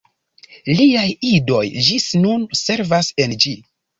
Liaj idoj ĝis nun servas en ĝi.